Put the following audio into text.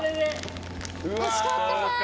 惜しかったか。